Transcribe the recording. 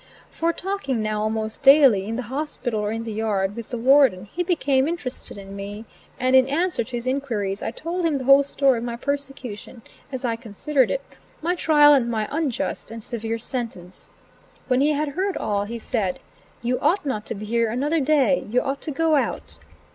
For talking now almost daily, in the hospital or in the yard, with the Warden, he became interested in me, and in answer to his inquiries I told him the whole story of my persecution, as I considered it, my trial and my unjust and severe sentence. When he had heard all he said: "You ought not to be here another day; you ought to go out."